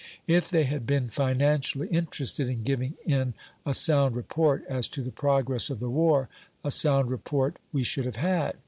If they had been financially interested in giving in a sound report as to the progress of the war, a sound report we should have had.